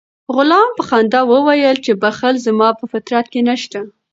غلام په خندا وویل چې بخل زما په فطرت کې نشته.